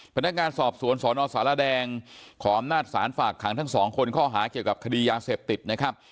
พนักงานสอบสวนสนสารแดงขออำนาจศาลฝากขังทั้งสองคนข้อหาเกี่ยวกับคดียาเสพติดนะครับ